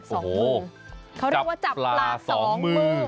เขาเรียกว่าจับปลาสองมือ